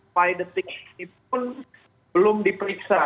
by detik ini pun belum diperiksa